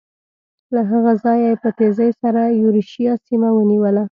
له هغه ځایه یې په تېزۍ سره یورشیا سیمه ونیوله.